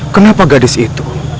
kenapa gadis itu